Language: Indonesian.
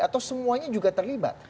atau semuanya juga terlibat